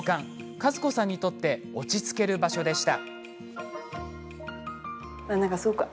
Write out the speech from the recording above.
加珠子さんにとって落ち着ける場所でした。